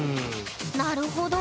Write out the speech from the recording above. なるほど。